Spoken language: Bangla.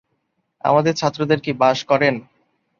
আমাদের ছাত্রদের কি বাস করেন?